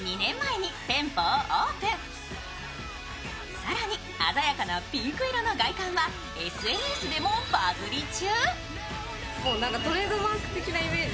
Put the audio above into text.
更に鮮やかなピンク色の外観はＳＮＳでもバズり中。